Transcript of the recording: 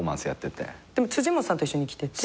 辻本さんと一緒に来てて。